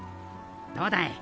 どうだい？